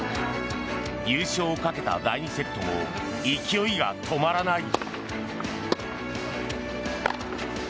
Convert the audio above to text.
優勝をかけた第２セットも勢いが止まらない。